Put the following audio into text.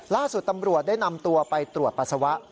ล่าสุดตำรวจได้นำตัวไปตรวจปัสสาวะ